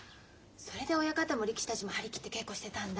それで親方も力士たちも張り切って稽古してたんだ。